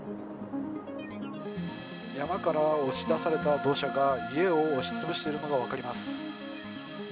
山から押し出された土砂が、家を押しつぶしているのが分かります。